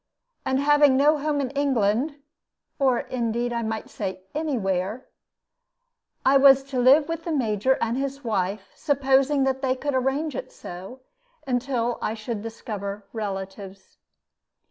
And having no home in England, or, indeed, I might say, any where, I was to live with the Major and his wife, supposing that they could arrange it so, until I should discover relatives.